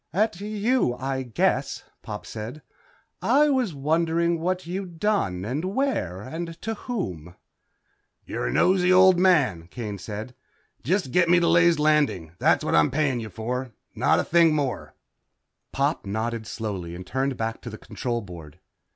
"At you, I guess," Pop said, "I was wondering what you'd done and where and to whom." "You're a nosey old man," Kane said. "Just get me to Ley's Landing. That's what I'm paying for, not a thing more." Pop nodded slowly and turned back to the control board.